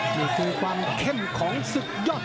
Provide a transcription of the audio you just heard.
นี่คือความเข้มของศึกยอด